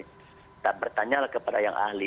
kita bertanya lah kepada yang ahli